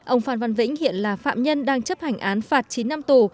ông phan văn vĩnh hiện là phạm nhân đang chấp hành án phạt chín năm tù